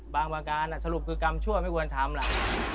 บางประการสรุปคือกรรมชั่วไม่ควรทำล่ะ